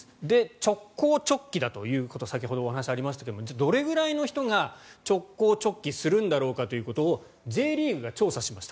直行直帰だということ先ほどお話がありましたがどれくらいの人が直行直帰するんだろうかということをＪリーグが調査しました。